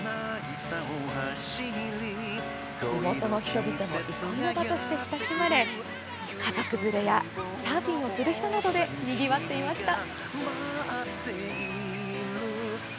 地元の人々の憩いの場として親しまれ、家族連れやサーフィンをする人などでにぎわっていました。